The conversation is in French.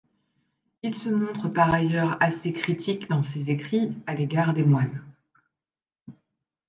Il se montre par ailleurs assez critique, dans ses écrits, à l'égard des moines.